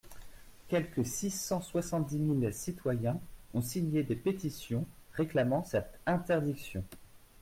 Quelque six cent soixante-dix mille citoyens ont signé des pétitions réclamant cette interdiction.